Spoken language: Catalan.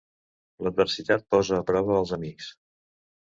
L'adversitat posa a prova els amics.